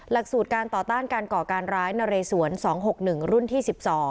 หลักสูตรการต่อต้านการก่อการร้ายนเรสวน๒๖๑รุ่นที่๑๒